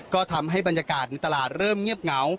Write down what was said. ก็ทำให้บรรยากาศในตลาดเริ่มเงียบเหงา